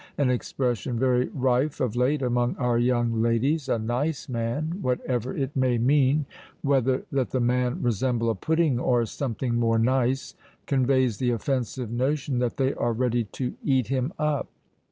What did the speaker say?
An expression very rife of late among our young ladies, a nice man, whatever it may mean, whether that the man resemble a pudding or something more nice, conveys the offensive notion that they are ready to eat him up!